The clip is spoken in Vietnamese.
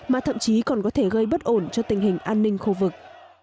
mà thậm chí còn có thể gây bất ổn cho tình hình an ninh khu vực